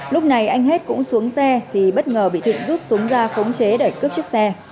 lúc này anh hết cũng xuống xe thì bất ngờ bị thịnh rút súng ra khống chế để cướp chiếc xe